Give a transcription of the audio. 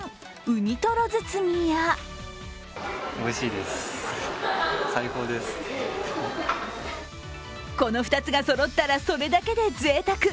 うにとろ包みやこの２つがそろったらそれだけでぜいたく。